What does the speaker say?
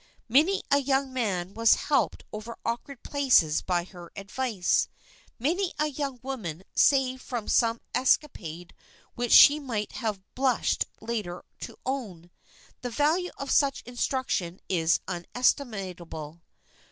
Many a young man was helped over awkward places by her advice; many a young woman saved from some escapade which she might have blushed later to own. The value of such instruction is inestimable.